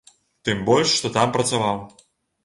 Тым больш што там працаваў.